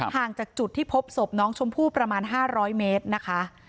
ห่างจากจุดที่พบศพน้องชมพู่ประมาณ๕๐๐เมตรนะคะ